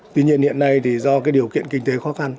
tuy nhiên hiện nay thì do cái điều kiện kinh tế khó khăn